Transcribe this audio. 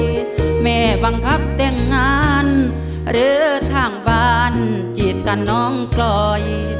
แม่บังคับแต่งงานหรือทางบ้านกีดกับน้องกล่อย